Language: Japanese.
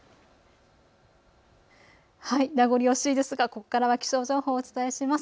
名残惜しいですがここからは気象情報をお伝えします。